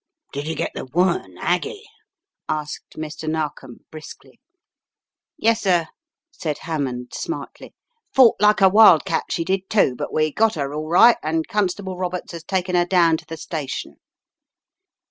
"Did you get the woman, Aggie?" asked Mr. Nar kom, briskly. "Yessir," said Hammond, smartly, "fought like a wild cat, she did, too, but we got her all right, and Constable Roberts has taken her down to the sta tion."